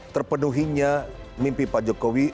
terpenuhinya mimpi pak jokowi